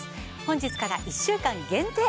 本日から１週間限定。